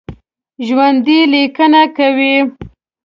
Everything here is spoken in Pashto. ژوندي لیکنه کوي